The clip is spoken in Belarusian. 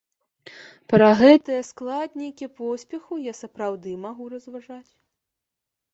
Пра гэтыя складнікі поспеху я сапраўды магу разважаць.